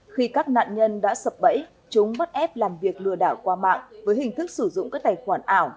khi các nạn nhân đã sập bẫy chúng bắt ép làm việc lừa đảo qua mạng với hình thức sử dụng các tài khoản ảo